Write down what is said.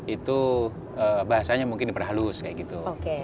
itu bahasanya mungkin diperhalus kayak gitu